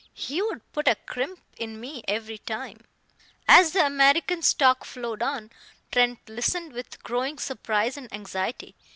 He would put a crimp in me every time." As the American's talk flowed on, Trent listened with growing surprise and anxiety.